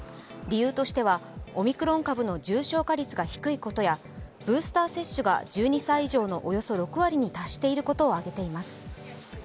理由としてはオミクロン株の重症化率が低いことやブースター接種が１２歳以上のおよそ６割に達していることを挙げています。